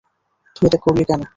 তুই এটা করলি কেন?